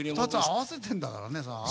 ２つ合わせてるんだからね。